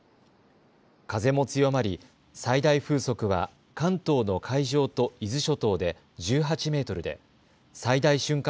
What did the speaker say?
風も強まり最大風速は関東の海上と伊豆諸島で１８メートルで最大瞬間